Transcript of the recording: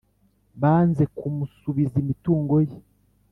Banze kumusubiza imitungo ye.